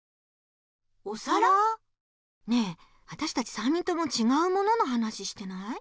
ねえわたしたち３人ともちがうものの話してない？